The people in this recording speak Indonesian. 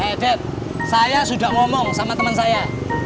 eh beth saya sudah ngomong sama temen saya